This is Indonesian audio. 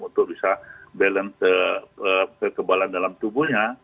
untuk bisa balance kekebalan dalam tubuhnya